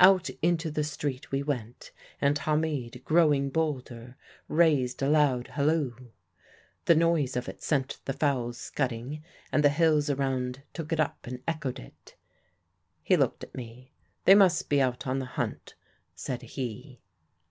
Out into the street we went, and Hamid, growing bolder, raised a loud halloo. The noise of it sent the fowls scudding, and the hills around took it up and echoed it. "He looked at me. 'They must be out on the hunt,' said he.